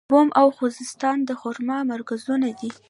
بم او خوزستان د خرما مرکزونه دي.